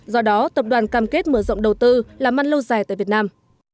do đó tập đoàn cam kết mở rộng đầu tư là măn lâu dài tại việt nam